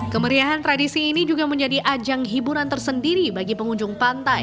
kemeriahan tradisi ini juga menjadi ajang hiburan tersendiri bagi pengunjung pantai